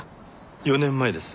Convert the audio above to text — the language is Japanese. ４年前です。